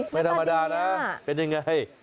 ไม่ธรรมดานะเป็นยังไง